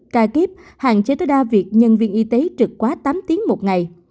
ca kiếp hạn chế tối đa việc nhân viên y tế trực quá tám tiếng một ngày